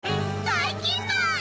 ばいきんまん！